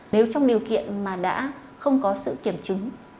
nếu trong điều kiện mà đã không có sự kiểm chứng